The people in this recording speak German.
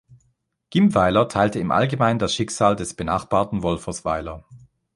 Gimbweiler teilte im Allgemeinen das Schicksal des benachbarten Wolfersweiler.